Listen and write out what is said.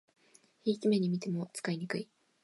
ひいき目にみても使いにくい